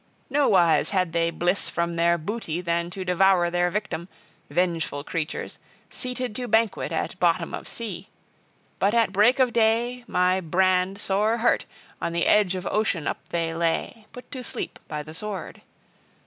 Nowise had they bliss from their booty then to devour their victim, vengeful creatures, seated to banquet at bottom of sea; but at break of day, by my brand sore hurt, on the edge of ocean up they lay, put to sleep by the sword.